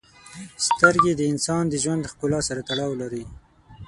• سترګې د انسان د ژوند د ښکلا سره تړاو لري.